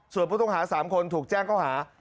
ส่วนผู้ต้องหา๓คนถูกแจ้งเข้าหา